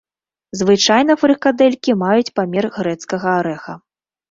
Звычайна фрыкадэлькі маюць памер грэцкага арэха.